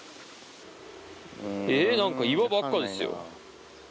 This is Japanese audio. えぇ何か岩ばっかですよ。